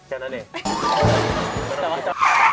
แค่นั้นเอง